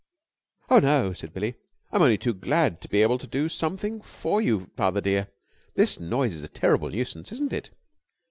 "Oh no!" said Billie. "I'm only too glad to be able to do something for you, father dear. This noise is a terrible nuisance, isn't it."